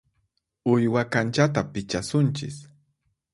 Uywa kanchata pichasunchis.